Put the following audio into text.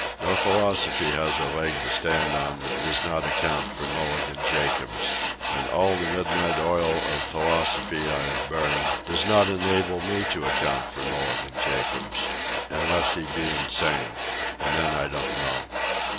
No philosophy has a leg to stand on that does not account for Mulligan Jacobs. And all the midnight oil of philosophy I have burned does not enable me to account for Mulligan Jacobs ... unless he be insane. And then I don't know.